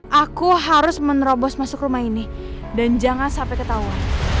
hai aku harus menerobos masuk rumah ini dan jangan sampai ketawa